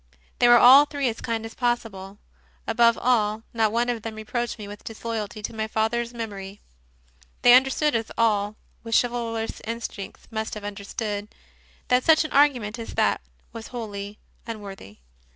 They were all three as kind as possible. Above all, not one of them reproached me with disloyalty to my father s mem ory. They understood, as all with chivalrous instincts must have understood, that such an argu ment as that was wholly unworthy.